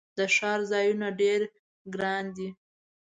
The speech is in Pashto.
د ښار ځایونه ډیر ګراندي